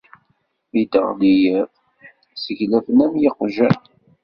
Mi d-iɣli yiḍ, sseglafen am yiqjan.